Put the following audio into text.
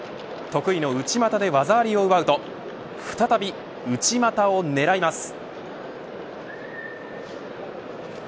得意の内股で技ありを奪うと再び内股を狙います。